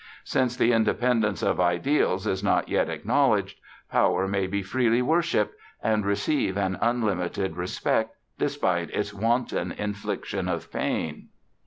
Since the independence of ideals is not yet acknowledged, Power may be freely worshiped, and receive an unlimited respect, despite its wanton infliction of pain.